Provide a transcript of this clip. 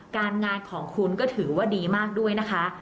งานของคุณก็ถือว่าดีมากด้วยนะคะ